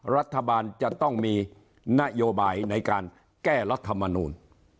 รัฐบาลจะต้องมีนโยบายในการแก้รัฐมนูล